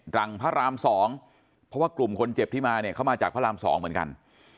พระราม๒เพราะว่ากลุ่มคนเจ็บที่มาเนี่ยเขามาจากพระราม๒เหมือนกัน